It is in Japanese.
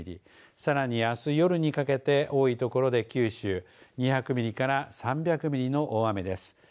さらに、あす夜にかけて多いところで九州２００ミリから３００ミリの大雨です。